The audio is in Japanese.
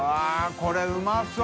これうまそう。